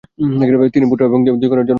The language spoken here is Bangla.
তিন পুত্র এবং দুই কন্যার জনক-জননী ছিলেন তারা।